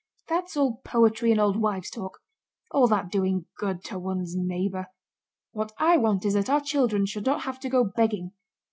That's all poetry and old wives' talk—all that doing good to one's neighbor! What I want is that our children should not have to go begging.